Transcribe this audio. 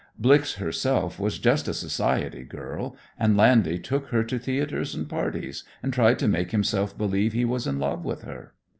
"Blix" herself was just a society girl, and "Landy" took her to theatres and parties and tried to make himself believe he was in love with her.